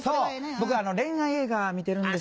僕恋愛映画見てるんですよ。